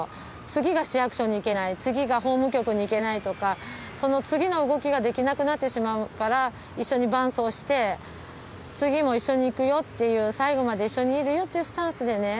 次が市役所に行けない次が法務局に行けないとかその次の動きができなくなってしまうから一緒に伴走して次も一緒に行くよっていう最後まで一緒にいるよっていうスタンスでね